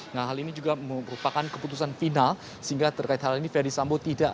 nah hal ini juga merupakan keputusan final sehingga terkait hal ini ferdis sambo tidak